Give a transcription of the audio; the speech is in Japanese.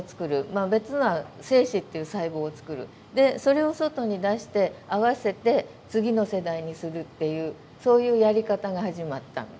まあ別のは精子っていう細胞を作るでそれを外に出して合わせて次の世代にするっていうそういうやり方が始まったの。